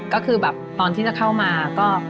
ก็คือแบบตอนที่จะเข้ามาก็